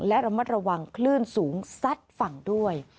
และระมัดระวังคลื่นสูงซัดฝั่งด้วย